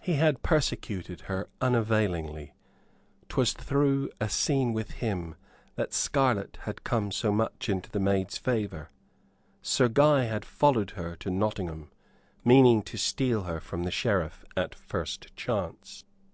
He had persecuted her unavailingly 'twas through a scene with him that Scarlett had come so much into the maid's favor. Sir Guy had followed her to Nottingham, meaning to steal her from the Sheriff at first chance.